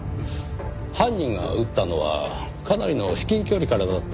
犯人が撃ったのはかなりの至近距離からだったそうですねぇ。